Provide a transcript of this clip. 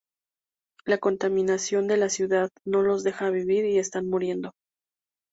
La contaminación de la ciudad no los deja vivir y están muriendo.